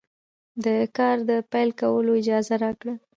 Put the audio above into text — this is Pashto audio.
د کار د پیل کولو اجازه راکړه.